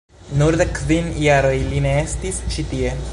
Nur de kvin jaroj li ne estis ĉi tie.